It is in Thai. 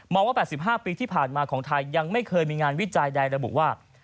ว่า๘๕ปีที่ผ่านมาของไทยยังไม่เคยมีงานวิจัยใดระบุว่า